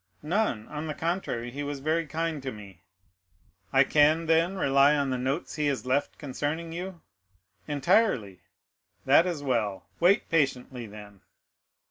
"None; on the contrary, he was very kind to me." "I can, then, rely on the notes he has left concerning you?" "Entirely." "That is well; wait patiently, then."